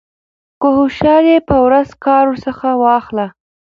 كه هوښيار يې په ورځ كار ورڅخه واخله